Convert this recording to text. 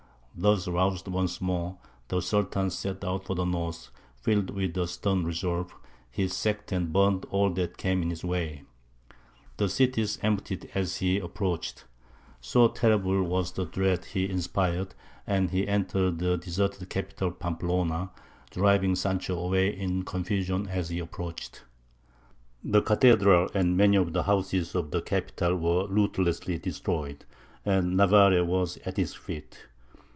Thus roused once more, the Sultan set out for the north, filled with a stern resolve; he sacked and burned all that came in his way; the cities emptied as he approached, so terrible was the dread he inspired; and he entered the deserted capital of Pamplona, driving Sancho away in confusion as he approached. The cathedral and many of the houses of the capital were ruthlessly destroyed, and Navarre was at his feet.